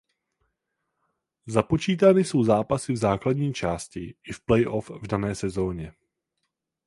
Započítány jsou zápasy v základní části i v play off v dané sezóně.